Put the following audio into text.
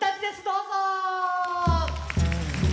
どうぞ！